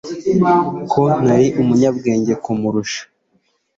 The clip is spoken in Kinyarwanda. ko nari umunyabwenge kumurusha